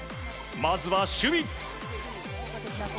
まずは守備。